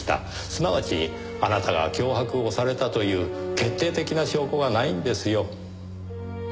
すなわちあなたが脅迫をされたという決定的な証拠がないんですよ。